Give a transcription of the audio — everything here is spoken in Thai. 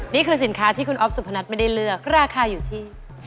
นี่คือสินค้าที่คุณอ๊อฟสุพนัทไม่ได้เลือกราคาอยู่ที่